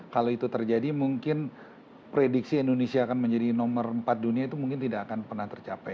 kalau itu terjadi mungkin prediksi indonesia akan menjadi nomor empat dunia itu mungkin tidak akan pernah tercapai